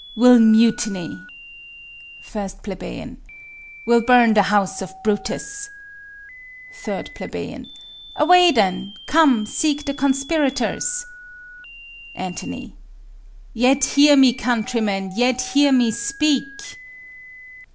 _ We'll mutiny! 1 Ple. We'll burn the house of Brutus. 3 Ple. Away, then! Come, seek the conspirators. Ant. Yet hear me, countrymen; yet hear me speak.